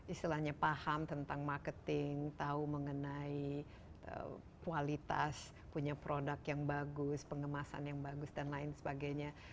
istilahnya paham tentang marketing tahu mengenai kualitas punya produk yang bagus pengemasan yang bagus dan lain sebagainya